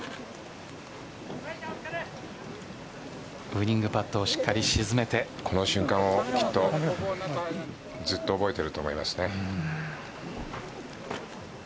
ウイニングパットをしっかり沈めてずっと覚えていると思いますね。